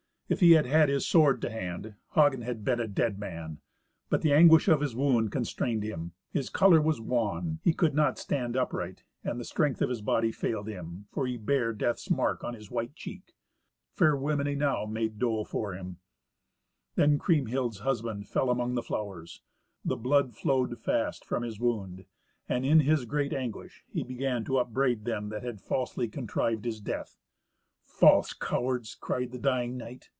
If he had had his sword to hand, Hagen had been a dead man. But the anguish of his wound constrained him. His colour was wan; he could not stand upright; and the strength of his body failed him, for he bare death's mark on his white cheek. Fair women enow made dole for him. Then Kriemhild's husband fell among the flowers. The blood flowed fast from his wound, and in his great anguish he began to upbraid them that had falsely contrived his death. "False cowards!" cried the dying knight.